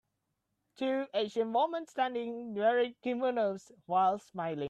Two Asian woman standing wearing kimonos, while smiling.